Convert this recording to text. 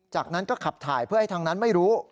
จากนั้นก็ขับถ่ายเพื่อให้ทางนั้นไม่รู้